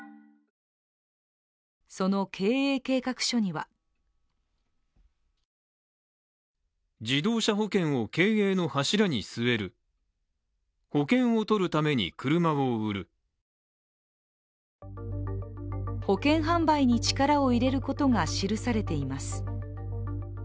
その経営計画書には保険販売に力を入れることが記されています。